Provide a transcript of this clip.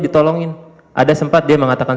ditolongin ada sempat dia mengatakan